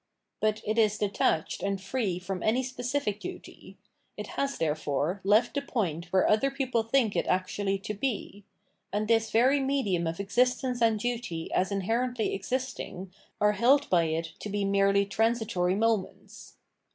But it is detached and free from any specific duty ; it has, therefore, left the point where other people think it actually to be ; and this very medium of existence and duty as inherently existing are held by it to be merely transitory moments.